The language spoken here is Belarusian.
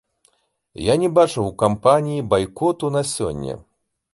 Я не бачу ў кампаніі байкоту на сёння.